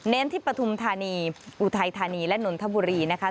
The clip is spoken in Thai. ที่ปฐุมธานีอุทัยธานีและนนทบุรีนะคะ